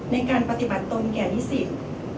ในการปฏิบัติตนแก่นิสิต